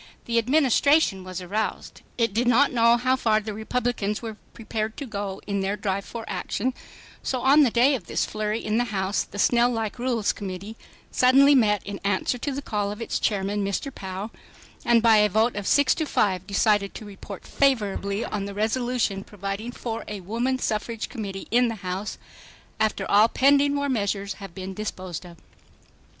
The Administration was aroused. It did not know how far the Republicans were prepared to go in their drive for action, so on the day of this flurry in the House the snail like Rules Committee suddenly met in answer to the call of its chairman, Mr. Pou, and by a vote of 6 to 5 decided to report favorably on the resolution providing for a Woman Suffrage Committee in the House "after all pending war measures have been disposed of."